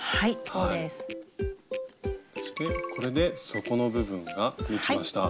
そしてこれで底の部分ができました。